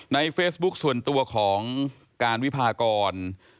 เฟซบุ๊คส่วนตัวของการวิพากร